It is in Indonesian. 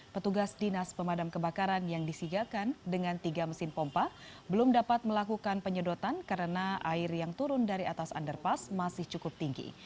petugas dinas pemadam kebakaran yang disigakan dengan tiga mesin pompa belum dapat melakukan penyedotan karena air yang turun dari atas underpass masih cukup tinggi